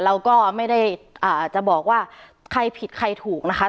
เราก็ไม่ได้จะบอกว่าใครผิดใครถูกนะคะ